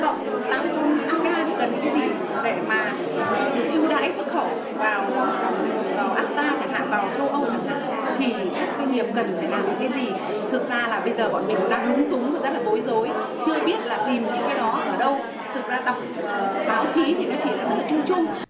thực ra đọc báo chí thì nó chỉ là rất là chung chung